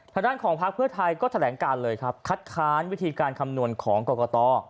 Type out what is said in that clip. ทางด้านของพักเพื่อไทยก็แถลงการเลยครับคัดค้านวิธีการคำนวณของกรกต